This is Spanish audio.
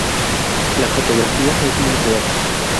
La fotografía es muy real.